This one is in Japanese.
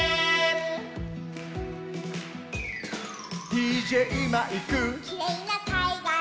「ＤＪマイク」「きれいなかいがら」